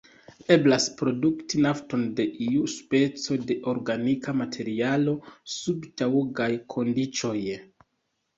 Eblas produkti nafton de iu speco de organika materialo sub taŭgaj kondiĉoj.